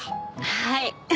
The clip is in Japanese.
はい。